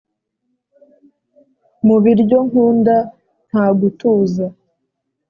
mu biryo nkunda nta gutuza,